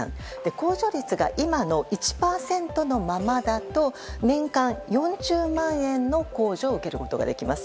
控除率が今の１％のままだと年間４０万円の控除を受けることができます。